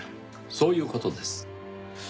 そういう事です。